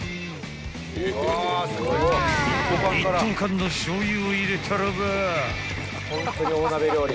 ［一斗缶のしょうゆを入れたらば］